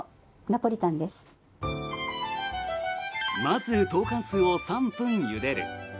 まず、トーカンスーを３分ゆでる。